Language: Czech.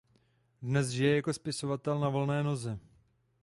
Dnes žije jako spisovatel na volné noze.